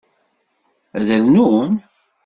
Ad rnun?